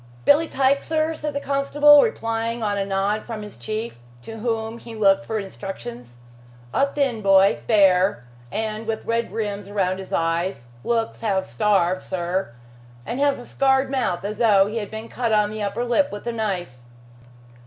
"Billy Tyke, sir?" said the constable, replying on a nod from his chief, to whom he looked for instructions, "a thin boy, fair and with red rims round his eyes looks half starved, sir, and has a scarred mouth, as though he had been cut on the upper lip with a knife."